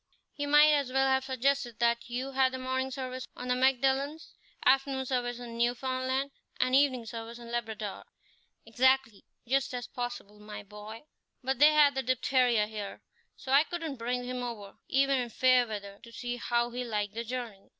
"He might as well have suggested that you had morning service on the Magdalens, afternoon service in Newfoundland, and evening service in Labrador." "Exactly, just as possible, my boy; but they had the diphtheria here, so I couldn't bring him over, even in fair weather, to see how he liked the journey."